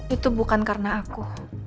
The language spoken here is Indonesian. itu bukan karena aku